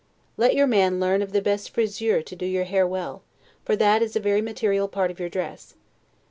Let your man learn of the best friseur to do your hair well, for that is a very material part of your dress.